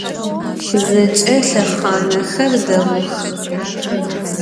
Zeç'e lhexhanexer değux.